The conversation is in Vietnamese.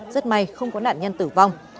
rất may không có nạn nhân tử vong